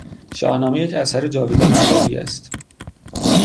شاهنامه یک اثر جاویدان ادبی است.